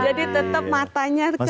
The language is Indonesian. jadi tetap matanya kepada anak